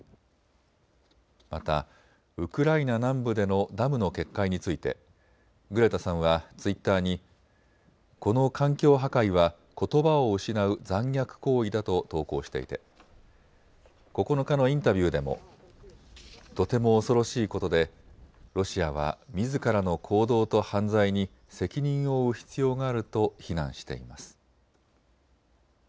またウクライナ南部でのダムの決壊についてグレタさんはツイッターにこの環境破壊はことばを失う残虐行為だと投稿していて９日のインタビューでもとても恐ろしいことでロシアはみずからの行動と犯罪に責任を負う必要があると非難しています。